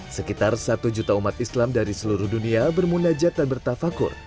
sekitar satu juta umat islam dari seluruh dunia bermunajat dan bertafakur